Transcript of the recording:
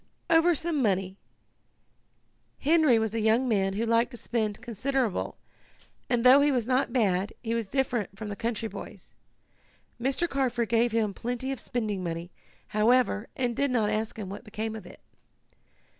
"Over some money. Henry was a young man who liked to spend considerable, and though he was not bad he was different from the country boys. Mr. Carford gave him plenty of spending money, however, and did not ask him what became of it.